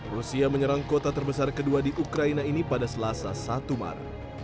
rusia menyerang kota terbesar kedua di ukraina ini pada selasa satu maret